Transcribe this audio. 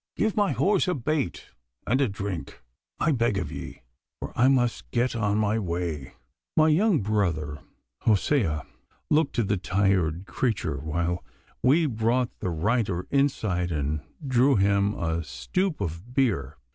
Give my horse a bait and a drink, I beg of ye, for I must get on my way.' My young brother Hosea looked to the tired creature, while we brought the rider inside and drew him a stoup of beer.